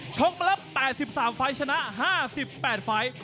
ชกมาแล้ว๘๓ไฟล์ชนะ๕๘ไฟล์